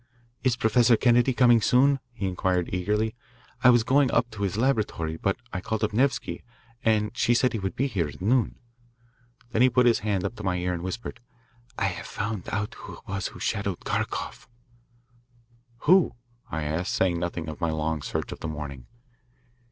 "Is Professor Kennedy coming soon?" he inquired eagerly. "I was going up to his laboratory, but I called up Nevsky, and she said he would be here at noon." Then he put his hand up to my ear and whispered, "I have found out who it was who shadowed Kharkoff." "Who?" I asked, saying nothing of my long search of the morning.